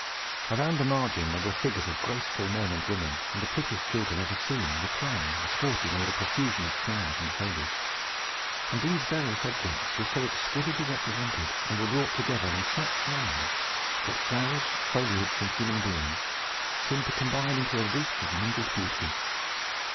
Around the margin there were figures of graceful men and women, and the prettiest children ever seen, reclining or sporting amid a profusion of flowers and foliage; and these various objects were so exquisitely represented, and were wrought together in such harmony, that flowers, foliage, and human beings seemed to combine into a wreath of mingled beauty.